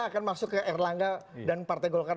akan masuk ke erlangga dan partai golkar